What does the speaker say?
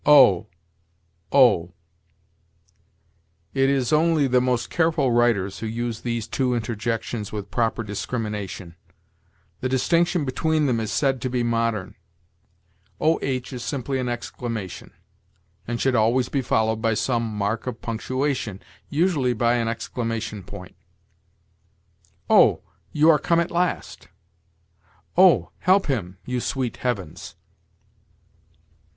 OH O. It is only the most careful writers who use these two interjections with proper discrimination. The distinction between them is said to be modern. Oh is simply an exclamation, and should always be followed by some mark of punctuation, usually by an exclamation point. "Oh! you are come at last." "Oh, help him, you sweet heavens!"